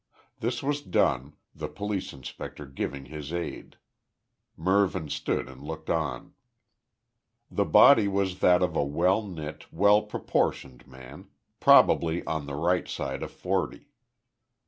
This was done, the police inspector giving his aid. Mervyn stood and looked on. The body was that of a well knit, well proportioned man, probably on the right side of forty.